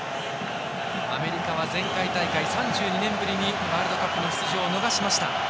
アメリカは前回大会３２年ぶりにワールドカップの出場を逃しました。